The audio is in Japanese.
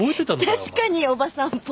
確かにおばさんっぽい。